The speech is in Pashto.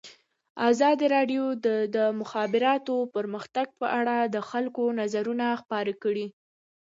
ازادي راډیو د د مخابراتو پرمختګ په اړه د خلکو نظرونه خپاره کړي.